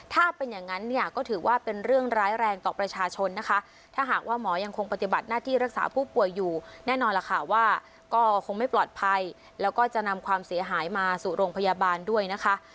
ถ้าเป็นอย่างนั้นเนี่ยก็ถือว่าเป็นเรื่องร้ายแรงต่อประชาชนนะคะถ้าหากว่าหมอยังคงปฏิบัติหน้าที่รักษาผู้ป่วยอยู่แน่นอนล่ะค่ะว่าก็คงไม่ปลอดภัยแล้วก็จะนำความเสียหายมาสู่โรงพยาบาลด้วยนะคะ